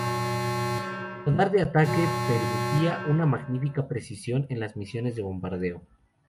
Su radar de ataque le permitía una magnífica precisión en las misiones de bombardeo.